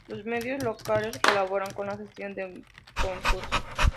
Los medios locales colaboran con la gestión del concurso.